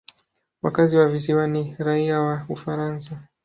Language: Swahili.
Wakazi wa visiwa ni raia wa Ufaransa.